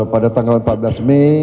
pada tanggal empat belas mei